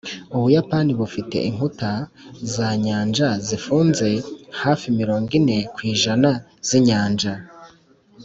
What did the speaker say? ubuyapani bufite inkuta za nyanja zifunze hafi mirongo ine ku ijana z'inyanja.